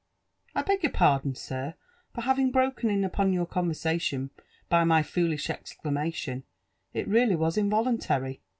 •• I beg your pardon, sir, for having broken in upon your conversation by my foolish exclamation, — it really was involuntary.